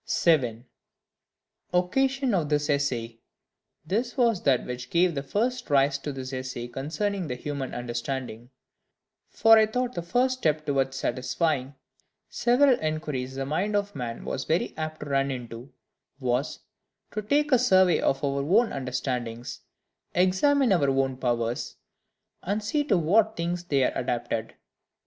7. Occasion of this Essay. This was that which gave the first rise to this Essay concerning the understanding. For I thought that the first step towards satisfying several inquiries the mind of man was very apt to run into, was, to take a survey of our own understandings, examine our own powers, and see to what things they were adapted.